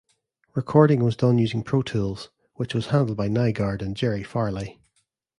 Recording was done using Pro-Tools, which was handled by Nygard and Jerry Farley.